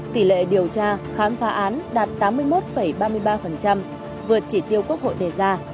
tỷ lệ điều tra khám phá án đạt tám mươi một ba mươi ba vượt chỉ tiêu quốc hội đề ra